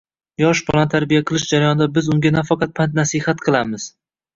Yosh bolani tarbiya qilish jarayonida biz unga nafaqat pand-nasihat qilamiz